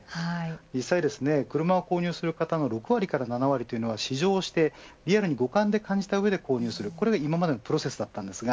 実際に車を購入する方の６割から７割は試乗してリアルで五感で感じた上で購入するというのが今までのプロセスでした。